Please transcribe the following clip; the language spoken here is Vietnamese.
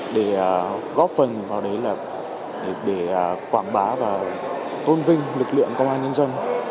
để góp phần vào đấy là để quảng bá và tôn vinh lực lượng công an nhân dân